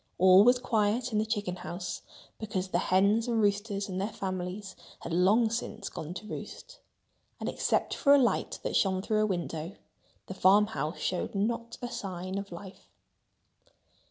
All was quiet in the chicken house because the hens and roosters and their families had long since gone to roost. And except for a light that shone through a window, the farmhouse showed not a sign of life.